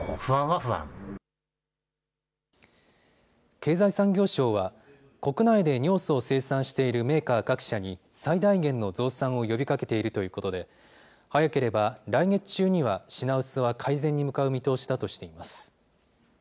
経済産業省は、国内で尿素を生産しているメーカー各社に、最大限の増産を呼びかけているということで、早ければ来月中には、品薄は改善に向かう見通しだとしています。